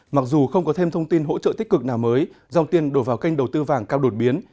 mặc dù không có thêm thông tin hỗ trợ tích cực nào mới dòng tiền đổ vào kênh đầu tư vàng cao đột biến